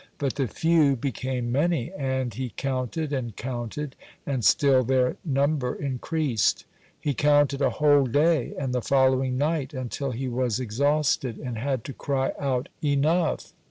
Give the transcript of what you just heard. But the few became many, and he counted and counted, and still their number increased. He counted a whole day, and the following night, until he was exhausted, and had to cry out Enough!